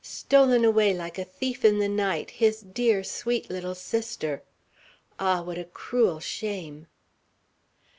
Stolen away like a thief in the night, his dear, sweet little sister! Ah, what a cruel shame!